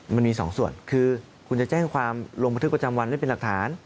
มันมีสองส่วนคือคุณจะแจ้งความลงบันทึกประจำวันไว้เป็นหลักฐาน